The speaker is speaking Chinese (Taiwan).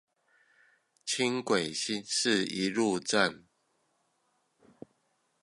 輕軌新市一路站